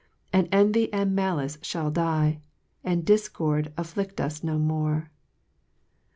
And envy ami malice fliall die, And difcord afflict us no more.